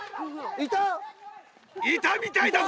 いたみたいだぞ！